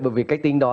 bởi vì cách tính đó